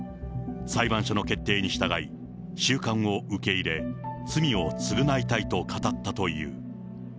裁判所の決定に従い、収監を受け入れ、罪を償いたいと語ったという。